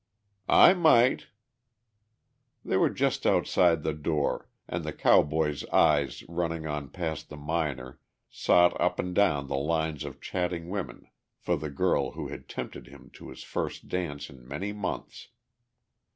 "I might." They were just outside the door, and the cowboy's eyes running on past the miner sought up and down the lines of chatting women for the girl who had tempted him to his first dance in many months.